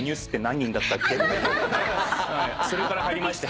それから入りまして。